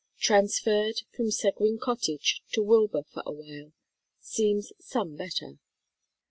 Transferred from Seguin Cottage to Wilbur for a while. Seems some better.